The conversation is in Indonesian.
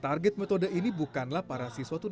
target metode ini bukanlah para siswa tunai